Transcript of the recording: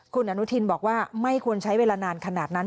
คุณอนุทินบอกว่าไม่ควรใช้เวลานานขนาดนั้น